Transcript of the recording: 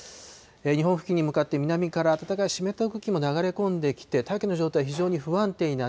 日本付近に向かって南から暖かい湿った空気も流れ込んできて、大気の状態、非常に不安定です。